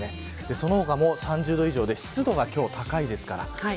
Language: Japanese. その他も３０度以上で湿度が高いです。